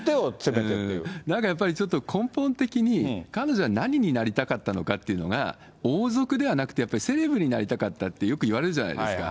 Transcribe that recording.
なんかやっぱり、ちょっと根本的に、彼女は何になりたかったのかっていうのが、王族ではなくて、やっぱりセレブになりたかったってよく言われるじゃないですか。